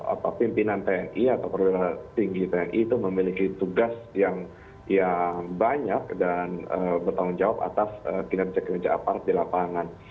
artinya pimpinan tni atau perwira tinggi tni itu memiliki tugas yang banyak dan bertanggung jawab atas pindahkan cekir cekir apart di lapangan